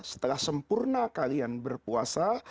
setelah sempurna kalian berpuasa